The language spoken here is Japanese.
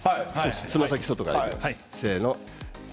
つま先は外からいきます。